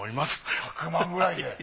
１００万くらいで。